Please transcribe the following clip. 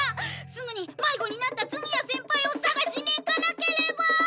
すぐに迷子になった次屋先輩をさがしに行かなければ！